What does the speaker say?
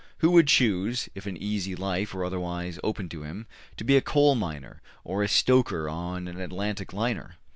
Who would choose, if an easy life were otherwise open to him, to be a coal miner, or a stoker on an Atlantic liner?